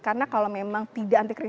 karena kalau memang tidak anti kritik